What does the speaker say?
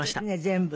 全部。